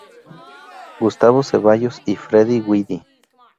Gustavo Ceballos y Freddy Guidi.